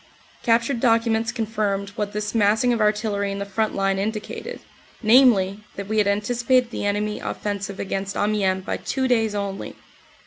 Captured documents confirmed what this massing of artillery in the front line indicated, namely, that we had anticipated the enemy offensive against Amiens by two days only.